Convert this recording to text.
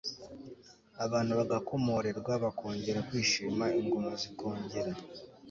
abantu bagakomorerwa bakongera kwishima, ingoma zikongera